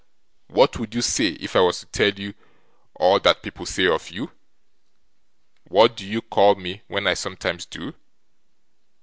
What would you say, if I was to tell you all that people say of you? What do you call me when I sometimes do?